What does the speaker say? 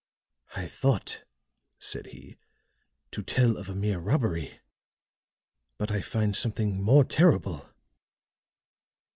"I thought," said he, "to tell of a mere robbery; but I find something more terrible!"